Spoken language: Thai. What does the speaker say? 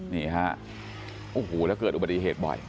นี่ฮะโอ้โหแล้วเกิดอุบัติเหตุบ่อย